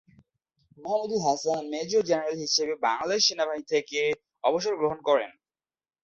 Mahmudul Hasan major general হিসেবে বাংলাদেশ সেনাবাহিনী থেকে অবসর গ্রহণ করেন।